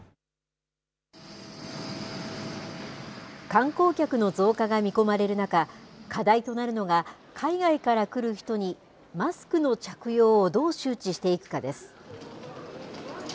観光客の増加が見込まれる中、課題となるのが、海外から来る人にマスクの着用をどう周知していくかです。